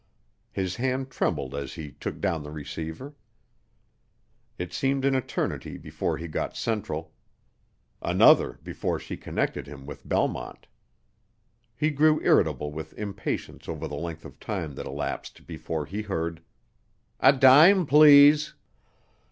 His hand trembled as he took down the receiver. It seemed an eternity before he got central; another before she connected him with Belmont. He grew irritable with impatience over the length of time that elapsed before he heard, "A dime, please."